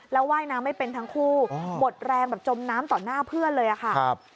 แล้วว่ายน้ำไม่เป็นทั้งคู่หมดแรงแบบจมน้ำต่อหน้าเพื่อนเลยค่ะ